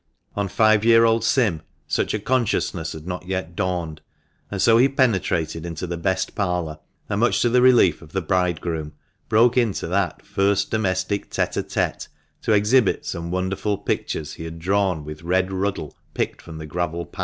On five year old Sim such a consciousness had not yet dawned, and so he penetrated into the "best parlour," and, much to the relief of the bridegroom, broke into that first domestic tete a tete to exhibit some wonderful pictures he had drawn with red ruddle picked from the gravel path.